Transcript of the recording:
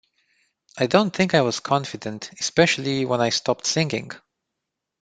I don't think I was confident, especially when I stopped singing.